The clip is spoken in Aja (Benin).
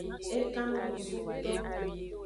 E kan no nusu ngto.